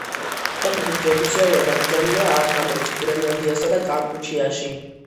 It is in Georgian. ფეხბურთი ოფიციალურად აკრძალულია ავღანეთში, გრენლანდიასა და კამპუჩიაში.